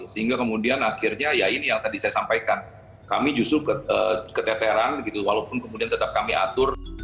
sehingga kemudian akhirnya ya ini yang tadi saya sampaikan kami justru keteteran walaupun kemudian tetap kami atur